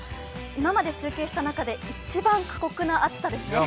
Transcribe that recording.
今まで中継した中で、一番過酷な暑さですね。